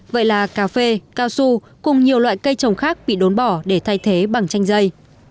vậy là cà phê cao su cùng nhiều loại cây trồng khác bị đốn bỏ để thay thế bằng chanh dây